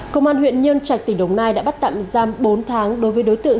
công an huyện nhân trạch tỉnh đồng nai đã bắt tạm giam bốn tháng đối với đối tượng